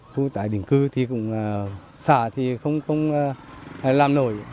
khu tải đỉnh cư thì cũng xả thì không làm nổi